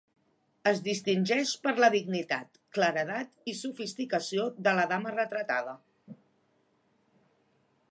Es distingeix per la dignitat, claredat i sofisticació de la dama retratada.